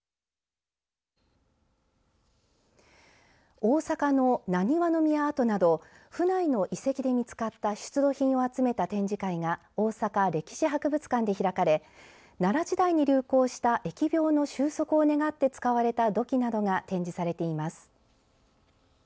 大阪の難波宮跡など府内の遺跡で見つかった出土品を集めた展示会が大阪歴史博物館で開かれ奈良時代に流行した疫病の終息を願って使われた土器などが展示されています。